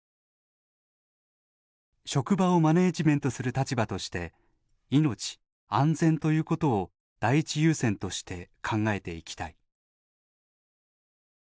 職場をマネージメントする立場として命、安全ということを第一優先として考えていきたい。